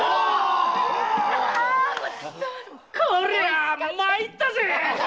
こりゃあまいったぜ！